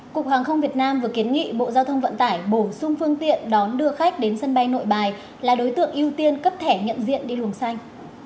cục hàng không việt nam vừa kiến nghị bộ giao thông vận tải bổ sung phương tiện đón đưa khách đến sân bay nội bài là đối tượng ưu tiên cấp thẻ nhận diện đi luồng xanh